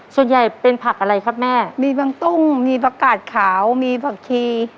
ส่วนใหญ่เป็นผักอะไรครับแม่มีบางตุ้งมีผักกาดขาวมีผักชี